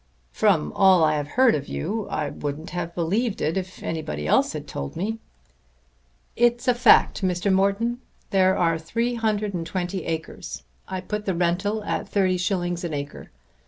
"From all I have heard of you I wouldn't have believed it if anybody else had told me." "It's a fact, Mr. Morton. There are three hundred and twenty acres. I put the rental at 30_s._ an acre.